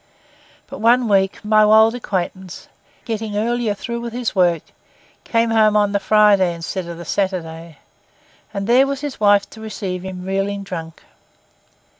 But one week my old acquaintance, getting earlier through with his work, came home on the Friday instead of the Saturday, and there was his wife to receive him reeling drunk.